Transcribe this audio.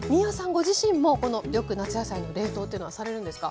ご自身もこのよく夏野菜の冷凍というのはされるんですか？